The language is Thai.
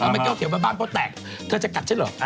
ถ้าไม่เข้าเขียนมาบ้านโป๊ะแตกเธอจะกัดฉันหรือ